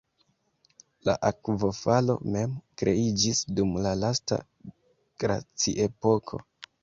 La akvofalo mem kreiĝis dum la lasta glaciepoko.